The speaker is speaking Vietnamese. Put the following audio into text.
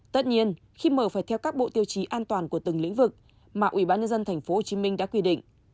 tất nhiên khi mở phải theo các bộ tiêu chí an toàn của từng lĩnh vực mà ubnd tp hcm đã quy định